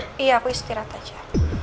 tapi aku istirahat aja